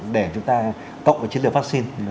để chúng ta cộng với chiến lược vaccine